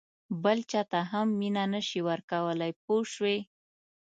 بل چاته هم مینه نه شې ورکولای پوه شوې!.